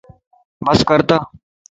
بس ڪرت